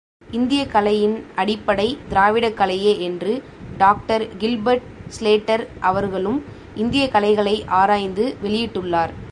இந்தியக்கலையின் அடிப்படை, திராவிடக்கலையே என்று doctor Gilbert Slater அவர்களும் இந்தியக்கலைகளை ஆராய்ந்து வெளியிட்டுள்ளார்.